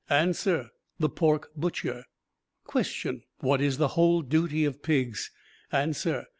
"Answer. The Pork Butcher. "Question. What is the Whole Duty of Pigs? "Answer.